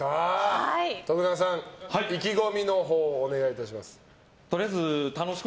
徳永さん、意気込みのほうをお願いします。